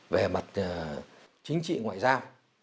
về mặt chính trị ngoại giao